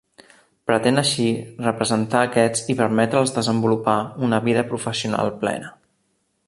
Pretén així representar aquests i permetre'ls desenvolupar una vida professional plena.